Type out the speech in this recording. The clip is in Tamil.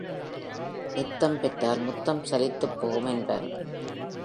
நித்தம் பெற்றால் முத்தம் சலித்துப் போகும் என்பார்கள்.